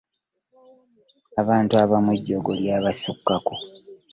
Abantu abamu ejjoogo lyabasukkako.